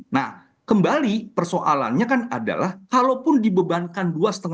nah kembali persoalannya kan adalah kalaupun dibebankan dua lima